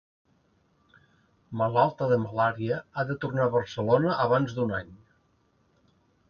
Malalta de malària, ha de tornar a Barcelona abans d'un any.